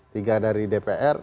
tiga dari dpr